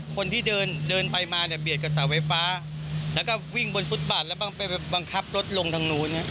คนที่เดินเดินไปมาเนี่ยเบียดกับเสาไฟฟ้าแล้วก็วิ่งบนฟุตบาทแล้วไปบังคับรถลงทางนู้น